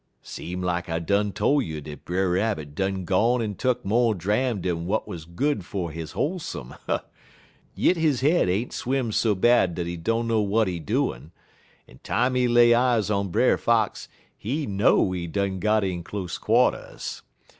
"Seem like I done tole you dat Brer Rabbit done gone en tuck mo' dram dan w'at 'uz good fer he wholesome. Yit he head ain't swim so bad dat he dunner w'at he doin', en time he lay eyes on Brer Fox, he know he done got in close quarters.